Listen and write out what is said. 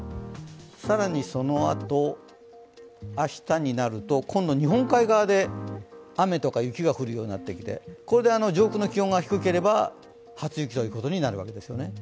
更にそのあと、明日になると今度、日本海側で雨とか雪が降るようになってきて、これが上空の気温が低ければ初雪ということになるわけです。